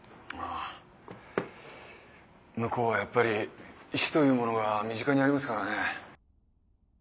あぁ向こうはやっぱり死というものが身近にありますからね。